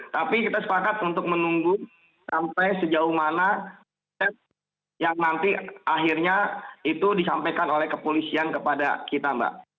tapi kita sepakat untuk menunggu sampai sejauh mana yang nanti akhirnya itu disampaikan oleh kepolisian kepada kita mbak